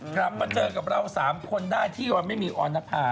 ดำมันเจอกับเรา๓คนได้ที่ว่าไม่มีออนภา